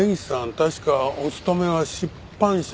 確かお勤めは出版社では。